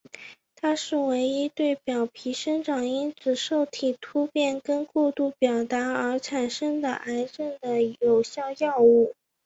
它是唯一对表皮生长因子受体突变跟过度表达而产生的癌症的有效药物。